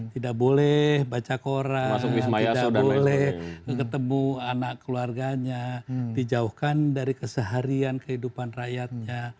tidak boleh baca koran tidak boleh ketemu anak keluarganya dijauhkan dari keseharian kehidupan rakyatnya